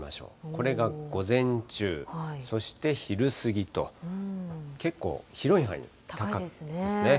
これが午前中、そして昼過ぎと、結構、広い範囲で高いですね。